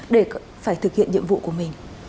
để phải thực hiện nhiệm vụ của mình